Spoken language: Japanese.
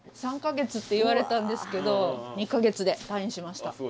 ３か月って言われたんですけど２か月で退院しました。